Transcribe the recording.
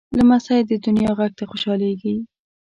لمسی د نیا غېږ ته خوشحالېږي.